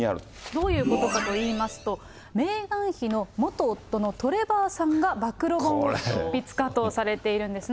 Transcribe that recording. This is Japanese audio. どういうことかと言いますと、メーガン妃の元夫のトレバーさんが暴露本を執筆かとされているんですね。